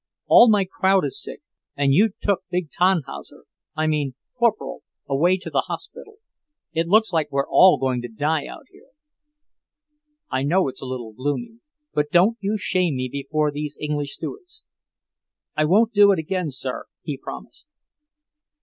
All my crowd is sick, and you took big Tannhauser, I mean Corporal, away to the hospital. It looks like we're all going to die out here." "I know it's a little gloomy. But don't you shame me before these English stewards." "I won't do it again, sir," he promised.